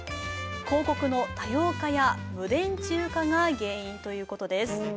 広告の多様化や無電柱化が原因ということです。